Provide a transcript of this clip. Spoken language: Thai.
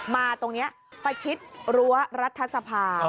มาตรงนี้ประชิดรั้วรัฐสภา